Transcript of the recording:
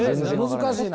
難しいな。